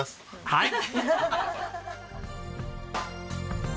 はい。